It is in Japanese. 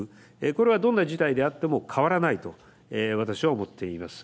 これはどんな事態であっても変わらないと私は思っています。